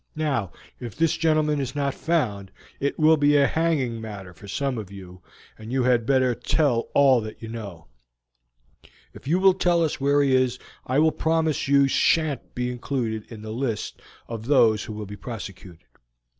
Now, if this gentleman is not found, it will be a hanging matter for some of you, and you had better tell all you know. If you will tell us where he is, I will promise that you shan't be included in the list of those who will be prosecuted."